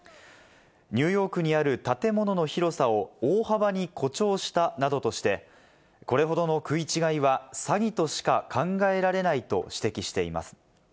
ニューヨークにある建物の広さを大幅に誇張したなどとして、これほどの食い違いは詐欺としか考えられないと指摘しています。